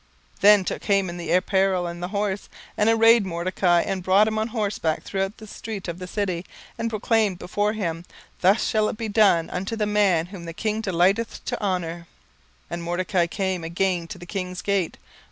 17:006:011 Then took Haman the apparel and the horse, and arrayed Mordecai, and brought him on horseback through the street of the city, and proclaimed before him, Thus shall it be done unto the man whom the king delighteth to honour. 17:006:012 And Mordecai came again to the king's gate.